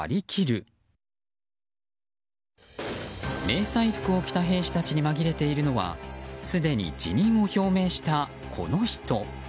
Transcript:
迷彩服を着た兵士たちに紛れているのはすでに辞任を表明した、この人。